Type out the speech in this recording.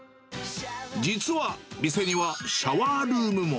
実は店にはシャワールームも。